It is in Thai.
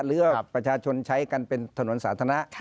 หรือประชาชนใช้กันเป็นถนนสาธารณะ